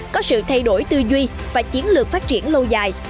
có sự thay đổi tư duy và chiến lược phát triển lâu dài